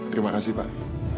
terima kasih pak